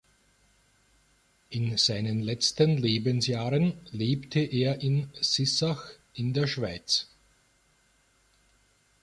In seinen letzten Lebensjahren lebte er in Sissach in der Schweiz.